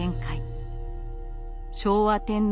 昭和天皇